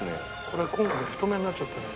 これ今回太めになっちゃったね。